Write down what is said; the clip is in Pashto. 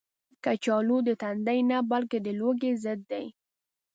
کچالو د تندې نه، بلکې د لوږې ضد دی